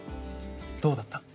どうだった？